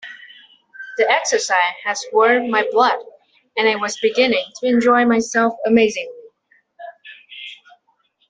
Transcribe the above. The exercise had warmed my blood, and I was beginning to enjoy myself amazingly.